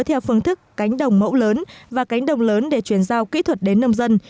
theo phương thức cánh đồng mẫu lớn và cánh đồng lớn để chuyển giao kỹ thuật đến nông dân